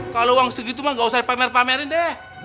kalau uang segitu mah gak usah dipamer pamerin deh